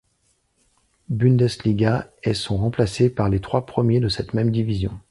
Bundesliga et sont remplacés par les trois premiers de cette même division.